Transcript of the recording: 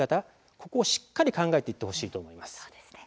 ここをしっかり考えていってほしいと思います。